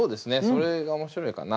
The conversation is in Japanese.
それが面白いかな。